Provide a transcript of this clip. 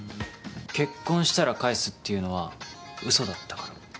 結婚したら返すっていうのはうそだったから。